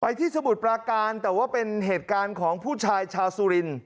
ที่สมุทรปราการแต่ว่าเป็นเหตุการณ์ของผู้ชายชาวสุริน